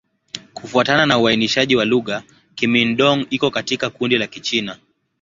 Kufuatana na uainishaji wa lugha, Kimin-Dong iko katika kundi la Kichina.